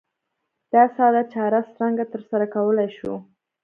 دا ساده چاره څرنګه ترسره کولای شو؟